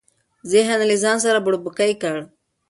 ذهن یې له ځانه سره بوړبوکۍ کړ.